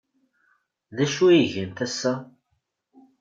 D acu ay gant ass-a?